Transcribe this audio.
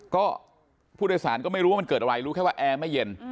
ก็ผู้โดยสารก็ไม่รู้ว่ามันเกิดอะไรรู้แค่ว่าแอร์ไม่เย็น